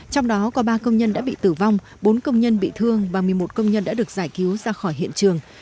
trong đó có ba công nhân đã bị tử vong bốn công nhân bị thương và một mươi một công nhân đã được giải cứu ra khỏi hiện trường